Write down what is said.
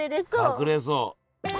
隠れそう。